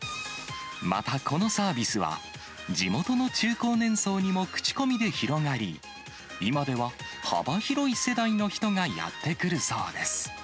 また、このサービスは地元の中高年層にも口コミで広がり、今では幅広い世代の人がやって来るそうです。